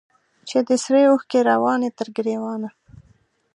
چي دي سرې اوښکي رواني تر ګرېوانه